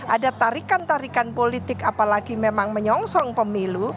ada tarikan tarikan politik apalagi memang menyongsong pemilu